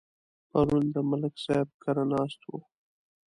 پرون د ملک صاحب کره ناست وو.